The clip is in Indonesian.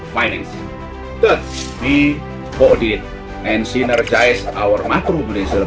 kedua kami mengundurkan dan menginjilkan polisi makrobudensial kami